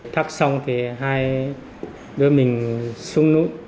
thắt xong thì hai đứa mình xuống núi